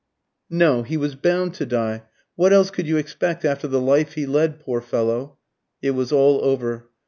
"No; he was bound to die. What else could you expect after the life he led, poor fellow?" It was all over.